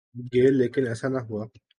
گے لیکن ایسا نہ ہوا۔